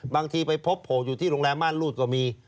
บางทีไปพบโผล่อยู่ที่โรงแรมม่านรูดก็มี